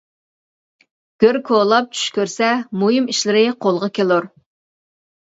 گۆر كولاپ چۈش كۆرسە، مۇھىم ئىشلىرى قولغا كېلۇر.